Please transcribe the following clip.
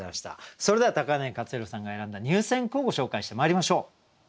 それでは柳克弘さんが選んだ入選句をご紹介してまいりましょう。